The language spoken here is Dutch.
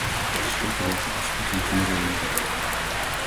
Dat is geen correcte afspiegeling van de realiteit.